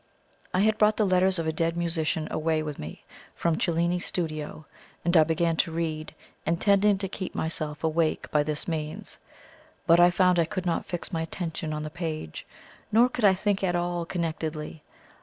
I had brought the "Letters of a Dead Musician" away with me from Cellini's studio, and I began to read, intending to keep myself awake by this means. But I found I could not fix my attention on the page, nor could I think at all connectedly.